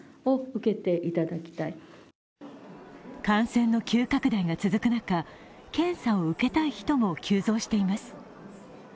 感染の急拡大が続く中、検査を受けたい人も急増しています。